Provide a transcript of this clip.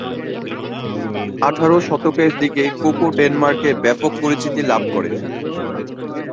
আঠারো শতকের দিকে কোকো ডেনমার্কে ব্যাপক পরিচিতি লাভ করে।